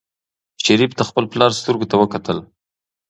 شریف د خپل پلار سترګو ته وکتل.